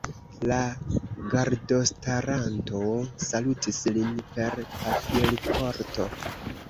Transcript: La gardostaranto salutis lin per pafilporto.